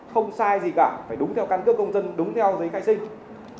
không sai gì cả phải đúng theo căn cước công dân đúng theo giấy khai sinh